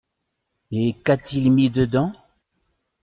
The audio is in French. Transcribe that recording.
Et qu’a-t-il mis dedans ?